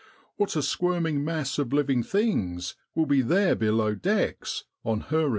What a squirming mass of living things will there be below decks on her return